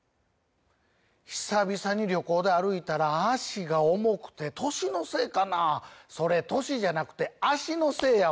久々に旅行で歩いたら脚が重くて歳のせいかなそれ「歳」じゃなくて「脚」のせいやわ！